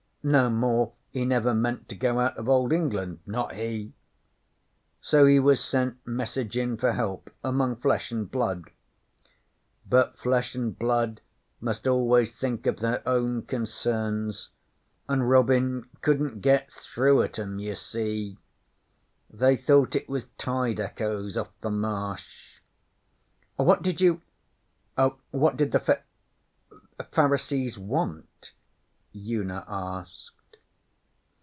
No more he never meant to go out of Old England not he; so he was sent messagin' for help among Flesh an' Blood. But Flesh an' Blood must always think of their own concerns, an' Robin couldn't get through at 'em, ye see. They thought it was tide echoes off the Marsh.' 'What did you what did the fai Pharisees want?' Una asked.